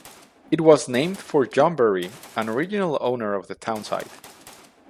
It was named for John Berry, an original owner of the town site.